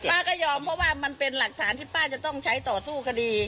ป้าก็ยอมเพราะว่ามันเป็นหลักฐานที่ป้าจะต้องใช้ต่อสู้คดี